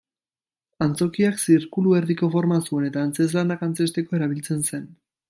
Antzokiak zirkuluerdiko forma zuen eta antzezlanak antzezteko erabiltzen zen.